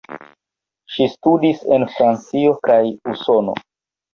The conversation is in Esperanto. Ŝi studis en Francio kaj Usono.